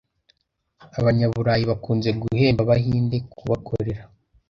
Abanyaburayi bakunze guhemba Abahinde kubakorera.